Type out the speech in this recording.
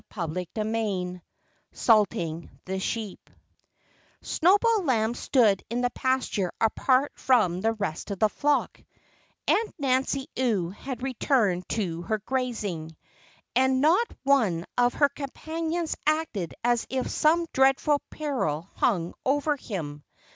VIII SALTING THE SHEEP Snowball Lamb stood in the pasture apart from the rest of the flock. Aunt Nancy Ewe had returned to her grazing. And not one of her companions acted as if some dreadful peril hung over him.